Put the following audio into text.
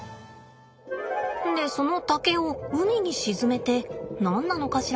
でその竹を海に沈めて何なのかしら。